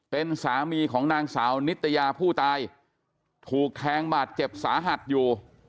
เป็นสามีของนางสาวนิตยาผู้ตายถูกแทงบาดเจ็บสาหัสอยู่